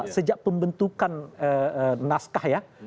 sejak pembentukan naskah ya